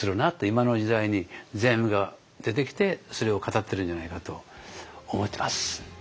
今の時代に世阿弥が出てきてそれを語ってるんじゃないかと思ってます。